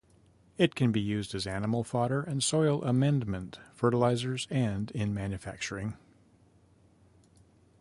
They can be used as animal fodder and soil amendment, fertilizers and in manufacturing.